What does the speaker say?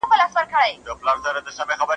¬ خيال گړي گړي، په تېره بيا د بد رنگ سړي.